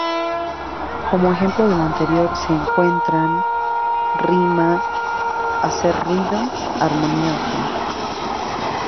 Como ejemplo de lo anterior se encuentran 韵, ‘rima’; 響, ‘hacer ruido’; 韶, ‘armonioso’.